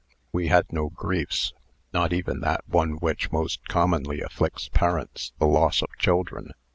We had no griefs not even that one which most commonly afflicts parents, the loss of children.